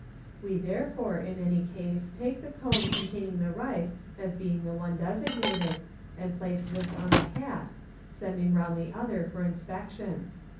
We therefore, in any case, take the cone containing the rice as being the one designated, and place this on tho hat, sending round the other for inspection.